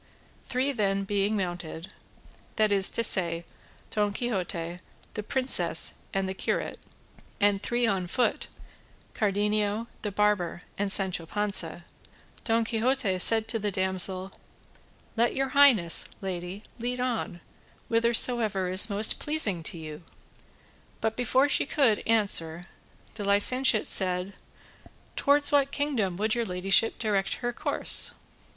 Three then being mounted, that is to say, Don Quixote, the princess, and the curate, and three on foot, Cardenio, the barber, and Sancho Panza, Don Quixote said to the damsel: "Let your highness, lady, lead on whithersoever is most pleasing to you;" but before she could answer the licentiate said: "Towards what kingdom would your ladyship direct our course?